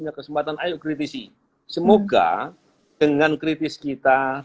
lihat engaging teman teman timer ngampil alamin wgima dan netizen util kota calculan